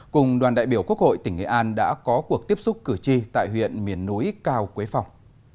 cùng đoàn đại biểu quốc hội tỉnh nghệ an đã có cuộc tiếp xúc cử tri tại huyện miền núi cao quế phòng